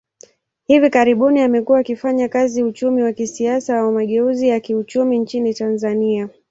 Hivi karibuni, amekuwa akifanya kazi uchumi wa kisiasa wa mageuzi ya kiuchumi nchini Tanzania.